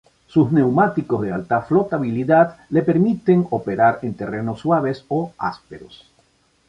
Sus neumáticos de alta flotabilidad le permiten operar en terrenos suaves o ásperos.